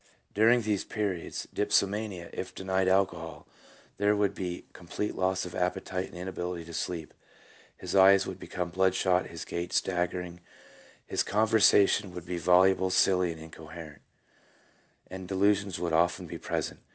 " During these periods [dipsomania], if denied alcohol, there would be com plete loss of appetite and ability to sleep ; his eyes would become bloodshot; his gait staggering; his conversation would be voluble, silly, and incoherent ; and delusions would often be present.